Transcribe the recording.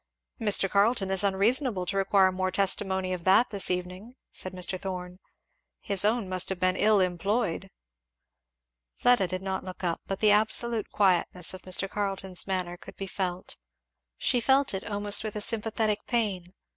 "Mr. Carleton is unreasonable, to require more testimony of that this evening," said Mr. Thorn; "his own must have been ill employed." Fleda did not look up, but the absolute quietness of Mr. Carleton's manner could be felt; she felt it, almost with sympathetic pain.